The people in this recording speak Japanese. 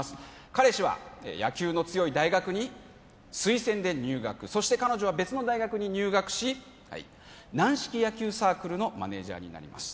彼氏は野球の強い大学に推薦で入学そして彼女は別の大学に入学し軟式野球サークルのマネージャーになります